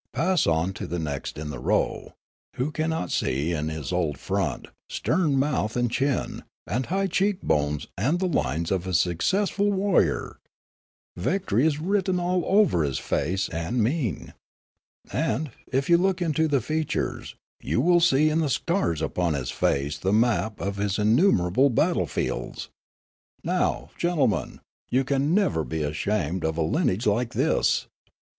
Pass on to the next in the row ; who cannot see in his bold front, stern mouth and chin, and high cheek bones the lines of a successful warrior ? Victory is written over his face and mien ; and, if you look into the features, you will see in the scars upon his face the map of his innumerable battle fields. Now, gentlemen, you can never be ashamed of a lineage like this.